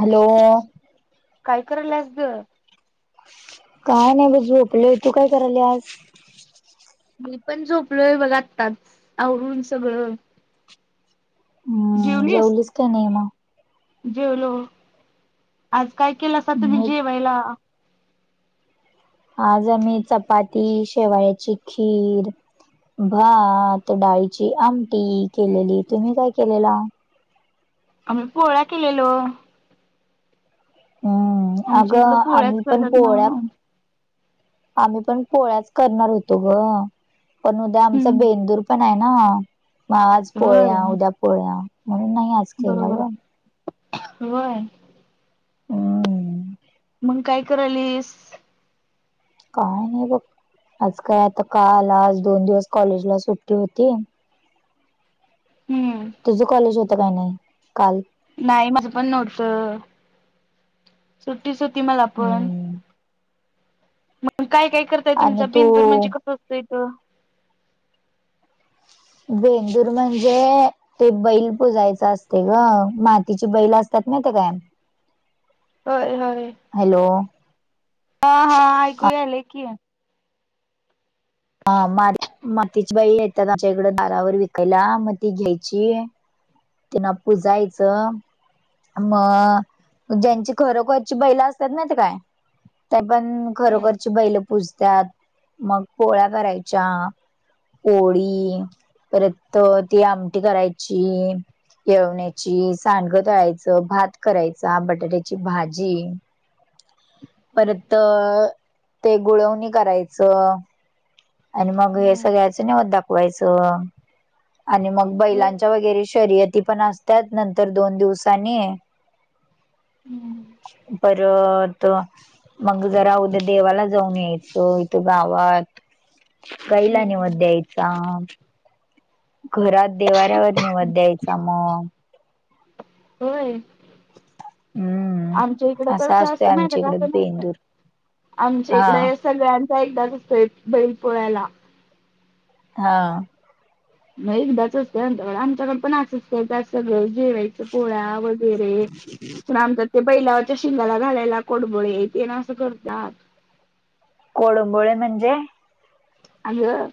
Hello काही करायलास ग? काय नाही ग झोपले तू काय कराल्यास? मी पण झोपलोय बघ आताच आवरून सगळं. हम्म जेवणीस जेवलीस का नाही मग? जेवलो. आज काय केलंसा तुम्ही मी जेवायला? आज आम्ही, चपाती शेवायाची खीर भात, डाळीची आमटी केलेली तुम्ही काय केलेला? आम्ही पोळ्या केलेलो. हम्म आमच्या अगं इकडं पोळ्याच आम्ही पण करतात ना. पोळ्या आम्ही पण पोळ्याच करणार होतो ग पण उद्या आमचा हम्म बेंदूर पण नाह ना आज होय पोळ्या उद्या पोळ्या म्हणून नाही आज केला बरोबर ग आ होय हम्म. मग काय करालिस? काय नाही बघ, आज काय आता काल आज दोन दिवस कॉलेजला सुट्टी होती. हम्म तुझं कॉलेज होतं काय नाही काल? नाही माझं पण नव्हत, सुट्टीच होती मला पण. हम्म मग काय काय करतय तुमच आणि तू बेंदूर म्हणजे कसं असत तर? बेंदूर म्हणजे. ते बैल पुुजायच असते ग, मातीचे बैल असतात माहिती हाय का? होय होय. हॅलो. हा हा ऐकू यायलय की. हा मात मातीची बैलं येतात आमच्याकडे दारावर विकायला मग ती घ्यायची. तेना पूजायचं. मग ज्यांची खरोखरची बैला असतात माहितीय काय? त्या पण हम्म खरोखरची बैल पूजत्यात, मग पोळ्या करायच्या. पोळी परत ती आमटी करायची. यळवण्याची, सांडग तळायच भात करायचा बटाट्याची भाजी. परत ते गुळवणी करायचं. आणि म या सगळ्याच नीवद दाखवायचं. आणि मग हम्म. बैलांच्या वगैरे शर्यती पण असत्यात, नंतर दोन दिवसांनी. हम्म परत. मग जरा उद्या देवाला जाऊन यायचं इथ गावात. गाईला हम्म. निवद द्यायचा. घरात देवाऱ्यावर निवद द्यायचा मग. व्हय. हम्म आमच्या इकडं असा कसं असतोय असतं माहिती हाय आमच्या का इकडे असं नसतं बेंदूर आमच्या हा इकडं सगळ्यांचा एकदाच असतोय बैल पोळ्याला. हा. मग एकदाच असतंय आमच्याक आमच्याकड पण असंच करत सगळं जेवायचं पोळ्या वगैरे गैरे पण आमच्यात बैलाच्या शिंगाला घालायला कुडकुळे असं ते करतात. कोळंबोळे म्हणजे? अगं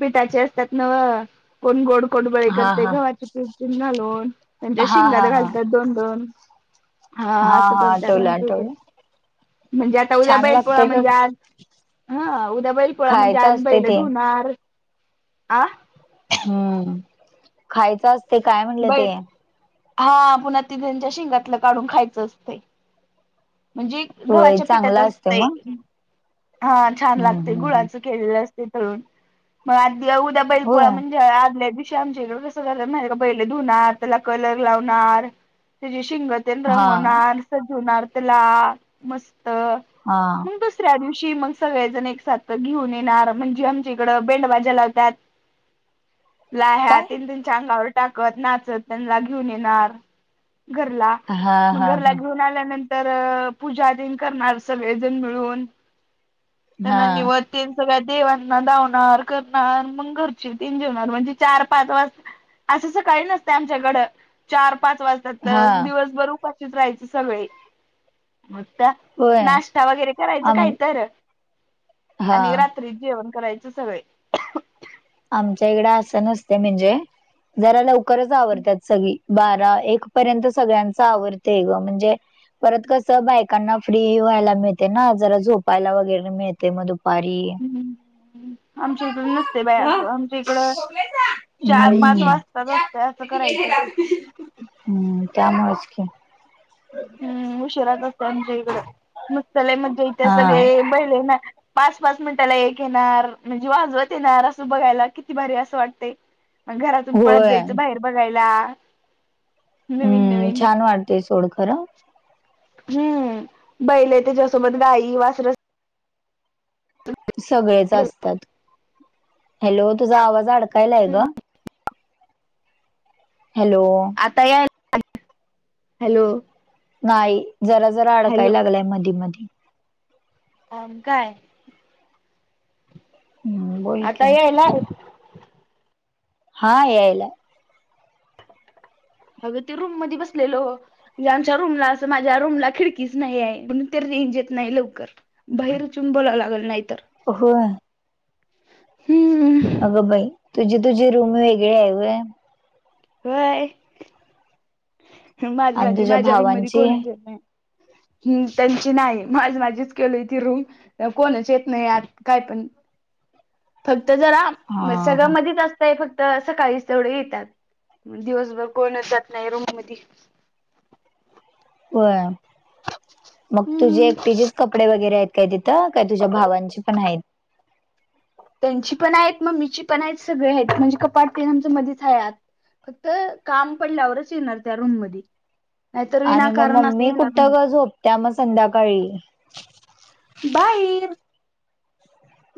पिठाचे असतात नव्ह. कोण गोड कोडबळे हा करते हा गव्हाच पीठ घालून त्यांच्या हा शिंगात हा हा घालतात दोन दोन. हा असं हा करत्यात आठवलं आमच्या इकडं. आठवलं म्हणजे आता उद्या छान बैल पोळा लागते ग म्हणजे आज उद्या बैलपोळा म्हणजे त्या खायचं आज असते बैल ते धुणार आ हम्म खायचं असते काय म्हटलं बैल ते? हा ते पुन्हा त्यांच्या सिंगातलं काढून खायचं असतं. म्हणजे होय गव्हाच्या पिठाचे चांगलं असते मग असतं हा छान हम्म लागतोय हम्म हम्म गुळाचं केलेला असते तळून उद्या बैल पोळा होय म्हणजे आदल्या दिवशी [unintelligible] कस जाल बैल धुणार त्याला कलर लावणार त्याची शिंग [unintelligible] तेन हा रंगवणार सजवणार त्याला मस्त. हा. मग दुसऱ्या दिवशी मग सगळेजण एक साथ घेऊन येणार म्हणजे आमच्या इकडं बेंडबाज्या लावतात. [inaudible] [unintelligible] ला ह्या काय तेन त्यांच्या अंगावर टाकत नाचत त्यांना घेऊन येणार घरला. हा मग हा घरला हा घेऊन आल्यानंतर तर पूजाधन करणार सगळेजण मिळून हा त्यांना निवद तेन सगळ्या देवांना दावणार करणार मग घरचे ते जेवणार म्हणजे चार पाच वाज असं अस काही नसत आमच्याकडं चार पाच वाजतात हा तर दिवसभर उपाशीच राहायचे सगळे होय नाश्ता वगैरे करायचा काय आम तर. हा आणि रात्रीच जेवण करायचे सगळे. आमच्या इकडे असं नसते म्हणजे जरा लवकरच आवरतात सगळी. बारा एक पर्यंत सगळ्यांच आवरतेय ग म्हणजे परत कस बायकांना फ्री व्हायला मिळते ना जरा झोपायला वगैरे मिळते मग दुपारी. आमच्या इकड नस ते बाई असं आमच्या इकड चार पाच हम्म वाजताच असतं असं करायचं हम्म त्यामुळच की. हम्म उशिराच असते आमच्या इकड नुसत लय मज्या इथे हा सगळे बहिले ना पाच पाच मिनिटाला एक येणार म्हणजे वाजवत येणार असं बघायला किती भारी असं वाटतं. मग घरातून पळत होय जायचं बाहेर बघायला. नवीन हम्म नवीन छान वाटतेय सोड खरं. हम्म बैल आहे त्याच्यासोबत गाई वासर सगळेच असतात हॅलो तुझा आवाज अडकायला ग. हॅलो. आता या हॅलो. नाही जरा जरा अडकाय हॅलो लागलाय मधी मधी. मग काय? हम बोल की हेला [unintelligible] हा यायलाय. अगं ते रूम मध्ये बसलेलो. च्या रूमला असं माझ्या रूमला खिडकीच नाही आहे म्हणून ते रेंज येत नाही लवकर. बाहेर च येऊन बोला लागेल नाही तर. होय. हम्. अगं बाई तुझी तुझी रूम वेगळे आहे होय? व्हय. माझी आणि माझी तुझ्या माझ्या रूम मध्ये भावांची कोण च येत नाही. हम् त्यांची नाही माझ माझीच केलोय ती रूम. कोणच येत नाही आत काय पण फक्त जरा हा सगळ हा मधिच असत फक्त सकाळीच तेवढे येतात दिवसभर कोणच जात नाही रूम मधी होय मग तुझे हम्म. एकटीचेच कपडे वगैरे आहेत काय तिथं काय तुझ्या भावांची पण आहेत? त्यांची पण आहेत मग मम्मीची पण आहेत सगळे आहेत म्हणजे कपाट पन आमच्या मध्येच आहे आत. फक्त काम पडल्यावरच येणार त्या रूम मध्ये. नाहीतर आणि मग विनाकारण असं मम्मी येणार नाही. कुठं झोपत्या मग संध्याकाळी? बाईर.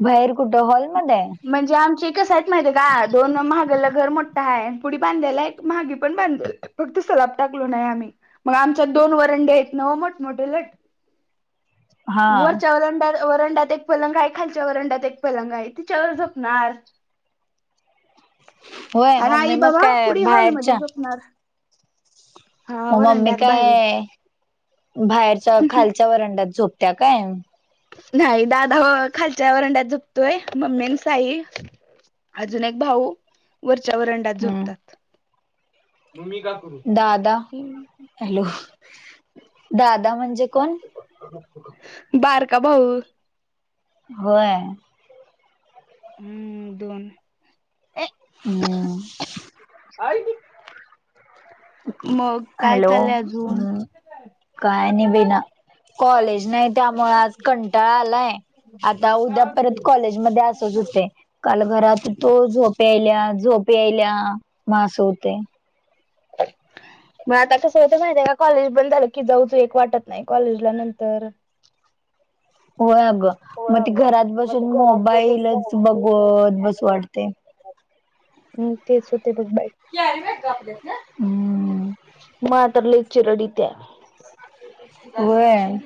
बाहेर कुठं हॉलमध्ये? म्हणजे आमचे कसयत माहिती आहे का? दोन महागाला घर मोठं आहे पुढडी बांधायला एक महागी पण बांधा [unintelligible] फक्त सलाप टाकलं नाही आम्ही मग आमच्यात दोन आहेत ना मोठमोठे लट [unintelligible] हा वरच्या वरंडात वरंडात एक पलंग आहे खालच्या वरंडात एक पलंग आहे तिच्यावर झोपणार. होय आणि मम्मी आई मग बाबा काय पुढे हॉलमध्ये बाहेरच्या झोपणार. हा मम्मी वरंड्यात बाहेर काय बाहेरच्या खालच्या खालच्या वरंड्यात झोपत्या काय? नाही दादा खालच्या वरंड्यात झोपतोय मम्मी आणि साई अजून एक भाऊ वरच्या वरंड्यात हम्म झोपतात. दादा हॅलो दादा म्हणजे कोण? बारका भाऊ. व्हय? हम्म दोन. हं. मग काय हॅलो चाललंय अजून? हम काय ना बिना. कॉलेज नाही त्यामुळे आज कंटाळा आलाय. आता उद्या परत कॉलेजमध्ये असच होतय. काल घरात होतो झोप यायल्या झोप यायल्या मग अस होतय. मग आता कसं होत माहिती आहे का कॉलेज बंद झालं की जाऊ तू एक वाटत नाही कॉलेजला नंतर. होय अगं होय मग ते अगं घरात मग ते बसून घरात बसून मोबाईलच बघवत बसु मोबाईल वाटते. हम्म तेच होत बघ बाई. [unintelligible] हम मला तर लय चिरड येत्या. व्हय.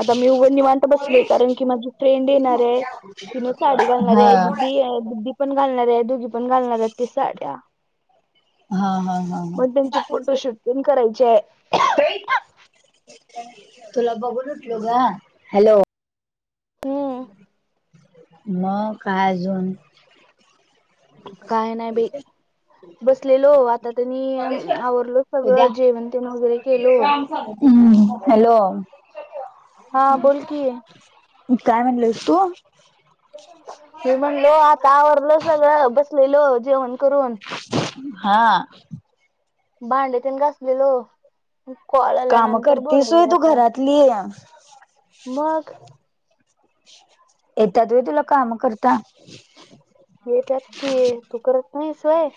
आता मी उघ निवांत बसलोय कारण की माझी फ्रेंड येणार आहे तिन साडी घालणार हा आहे गुड्डी दिदी पण घालणार आहे दोघी घालणार आहेत ते साड्या. हा हा हा हा. रूम करायचे. तुला बघून उठलो ग. हॅलो. हम्म मग काय अजून? काय नाही बाई [unintelligible] बसलेलो. आता त्यांनी आवरलो सगळं. जेवण तेण वगैरे केलो. हम्म, हॅलो. हा बोल की काय म्हणलीस तू? मी म्हणलो आता आवरलो सगळं बसलेलो जेवण करून. हा. भांडे तेन घासलेलो कॉल काम आल्यानंतर करतेस होय बोलायलो तू आता. घरातली मग येत्यात व्हय तुला काम करता? येत्यात की तू करत नाहीस व्हय?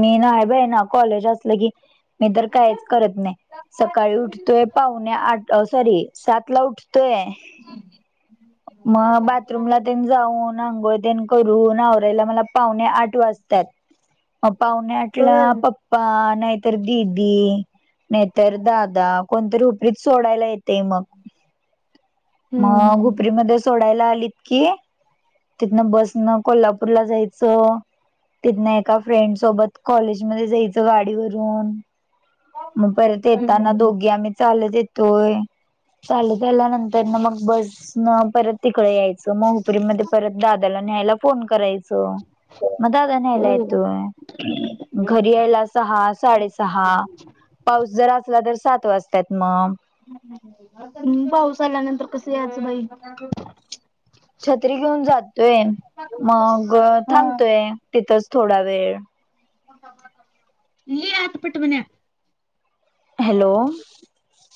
मी ना अगं ना कॉलेज असलं की मी तर काहीच करत नाही. सकाळी उठतोय पाहुणे आठ सॉरी सात ला उठतोय. मग बाथरूमला ते जाऊन आंघोळ तेन करून आवरा्याला मला पावणे आठ वाजतात. म् पावणे आठला होय पप् नाहीतर दिदी, नाहीतर दादा कोणतरी उपरीत सोडायला येत ते मग. हम्म मग हम्म घुपरी मध्ये सोडायला आलीत की तिथनं बसन कोल्हापूर ला जायचं, तिथन एका फ्रेंड सोबत कॉलेज मध्ये जायचं गाडीवरून. मग परत येताना हम्म दोघी आम्ही चालत तोय चालू त आल्यानंतर न मग बस न परत तिकडे यायचं. मग पुरी मध्ये परत दादाला न्यायला फोन करायच मग दादा न्यायला येत [unintelligible] घरी यायला सहा साडेसहा पाऊस जर असला तर सात वाजत्यात मग. ्पाऊस आल्यानंतर कसं यायचं बाई? छत्री घेऊन जातोय मग हा थांबतोय तिथंच थोडा वेळ. ल आत पट बन्या हॅलो [unintelligible]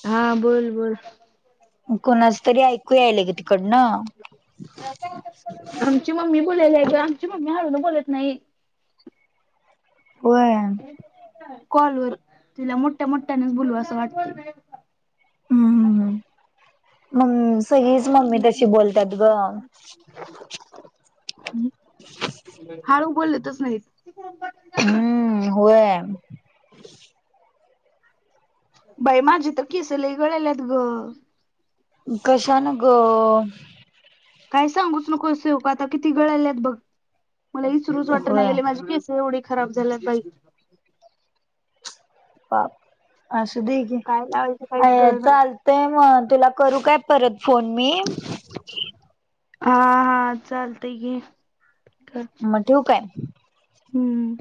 हा, बोल बोल. कोणाच तरी ऐकू यायल ग तिकडन. आमची मम्मी बोलायली ग. आमची मम्मी हळून बोलत नाही. व्हय. कॉलवर तिला मोठ्या मोठ्याने बोलू असं वाटत. हम्म, मग सगळीच मम्मी तशी बोलत्यात ग. हळू बोलतच नाहीत. हम्म होय. बाय माझी तर केस लई गळाल्यात ग. कशान ग? मला सांगूच नको असे उपाय आता किती केस गळ्यात बघ. मला विसरून वाटत नाही होय गेली माझी केस हो एवढी खराब झाल्यात बाई. हा असू दे की, काय लावायचं काहीच आय कळना. [unintelligible] ते बघ तिला करू काय परत फोन मी? आ हा चालतंय की कर मग ठेऊ काय हम्म